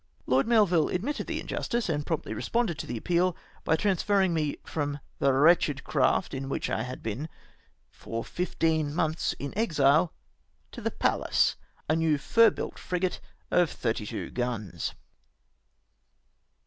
Lord Melville admitted the injustice, and promptly responded to the appeal, by transferring me from the wretched craft in which I had been for fifteen months in exile — to the Pallas, a new fir built frigate of 32 guns.